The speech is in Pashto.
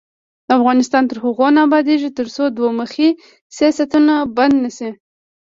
افغانستان تر هغو نه ابادیږي، ترڅو دوه مخي سیاستونه بند نشي.